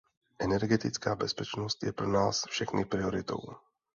Energetická bezpečnost je pro nás všechny prioritou.